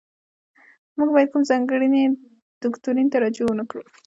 موږ باید کوم ځانګړي دوکتورین ته رجوع ونکړو.